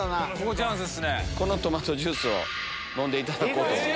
このトマトジュースを飲んでいただこうと思います。